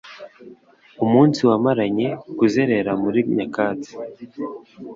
Umunsi wamaranye - kuzerera muri nyakatsi